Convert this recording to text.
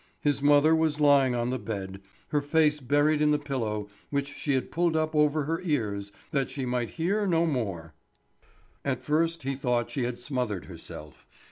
His mother was lying on the bed, her face buried in the pillow which she had pulled up over her ears that she might hear no more. At first he thought she had smothered herself.